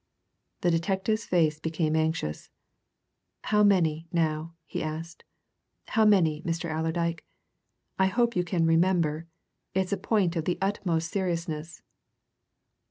The detective's face became anxious. "How many, now?" he asked. "How many, Mr. Allerdyke? I hope you can remember? it's a point of the utmost seriousness."